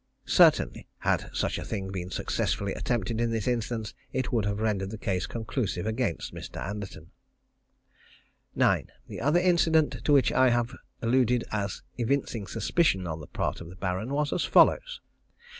Certainly had such a thing been successfully attempted in this instance, it would have rendered the case conclusive against Mr. Anderton. 9. The other incident to which I have alluded as evincing suspicion on the part of the Baron, was as follows.